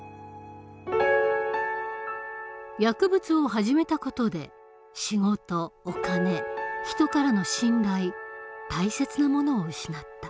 薬物を始めた事で仕事お金人からの信頼大切なものを失った。